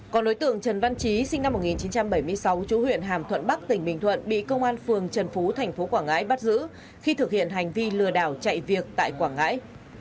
còn đối tượng trần văn chí sinh năm một nghìn chín trăm bảy mươi sáu chủ huyện hàm thuận bắc tỉnh bình thuận bị công an phường trần phú tp quảng ngãi bắt giữ khi thực hiện hành vi lừa đảo chạy việc tại quảng ngãi